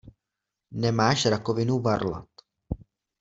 Nemáš rakovinu varlat!